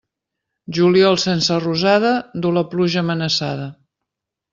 Juliol sense rosada, du la pluja amenaçada.